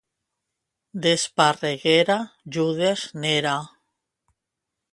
D'Esparreguera, Judes n'era.